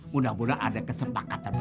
mudah mudahan ada kesepakatan